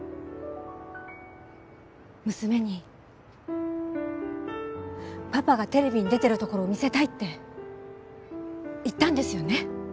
娘にパパがテレビに出てるところを見せたいって言ったんですよね？